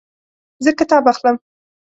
زه کتاب اخلم